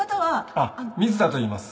あっ水田といいます